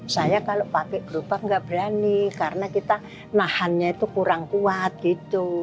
saya kalau pakai gerobak nggak berani karena kita nahannya itu kurang kuat gitu